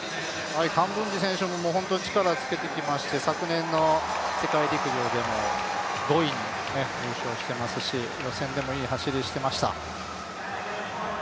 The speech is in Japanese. カンブンジ選手もホントに力、つけてきまして昨年の世界陸上でも５位に入賞していますし予選でもいい走りをしていました。